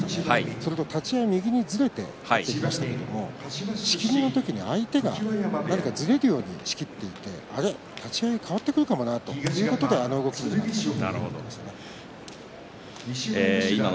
それと立ち合い右にずれていきましたけれども仕切りの時に相手が何かずれるように仕切っていて立ち合い変わってくるかもなということであの動きになったそうです。